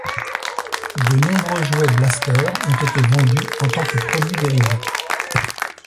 De nombreux jouets blasters ont été vendus en tant que produits dérivés.